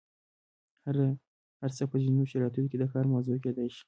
هر څه په ځینو شرایطو کې د کار موضوع کیدای شي.